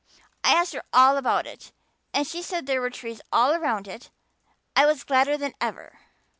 I asked her all about it. And she said there were trees all around it. I was gladder than ever.